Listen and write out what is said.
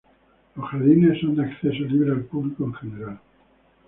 Los jardines son de acceso libre al público en general.